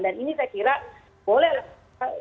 dan ini saya kira boleh lah